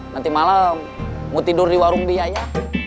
nanti malam mau tidur di warung biaya